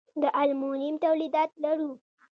د المونیم تولیدات لرو؟